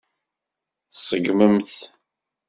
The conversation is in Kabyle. Tṣeggmem-t.